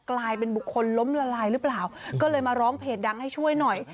กลายเป็นบุคคลล้มละลายหรือเปล่าก็เลยมาร้องเพจดังให้ช่วยหน่อย